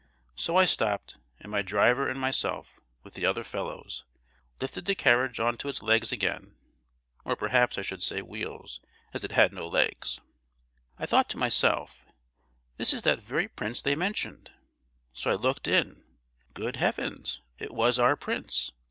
So I stopped; and my driver and myself, with the other fellows, lifted the carriage on to its legs again, or perhaps I should say wheels, as it had no legs. "I thought to myself, 'This is that very prince they mentioned!' So, I looked in. Good Heavens! it was our prince!